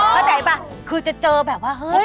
เข้าใจป่ะคือจะเจอแบบว่าเฮ้ย